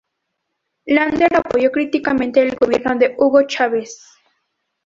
Lander apoyó críticamente el Gobierno de Hugo Chávez.